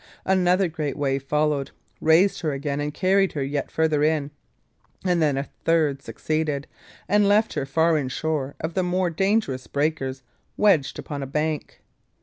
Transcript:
Another great wave followed, raised her again, and carried her yet farther in; and then a third succeeded, and left her far inshore of the more dangerous breakers, wedged upon a bank.